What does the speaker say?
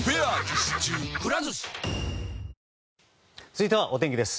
続いては、お天気です。